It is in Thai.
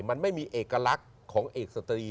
มันไม่มีเอกลักษณ์ของเอกสตรี